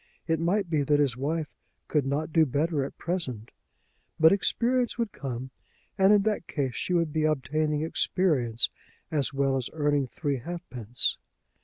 It might be that his wife could not do better at present; but experience would come, and in that case, she would be obtaining experience as well as earning three halfpence.